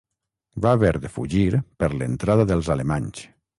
Va haver de fugir per l'entrada dels alemanys.